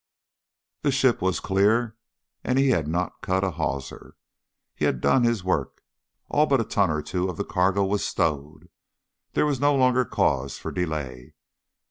The ship was clear, and he had not cut a hawser. He had done his work; all but a ton or two of the cargo was stowed. There was no longer cause for delay.